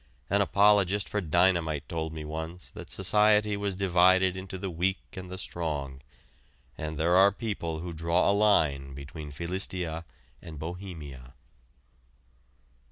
An apologist for dynamite told me once that society was divided into the weak and the strong, and there are people who draw a line between Philistia and Bohemia.